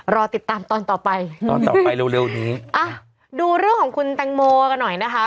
รอติดตามตอนต่อไปดูเรื่องของคุณแตงโมกันหน่อยนะคะ